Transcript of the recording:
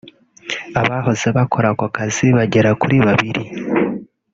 Abahoze bakora ako kazi bagera kuri babiri